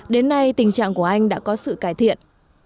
đến nay tình trạng của anh đã có sự cải thiện